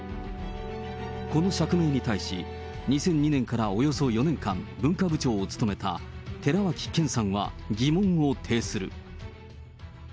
この釈明に対し、２００２年からおよそ４年間、文化部長を務めた寺脇研さんは疑問を呈する。